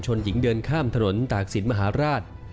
หญิงเดินข้ามถนนตากศิลปมหาราช